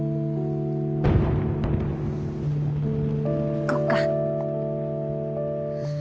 行こっか。